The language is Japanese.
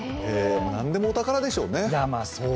何でもお宝でしょうね。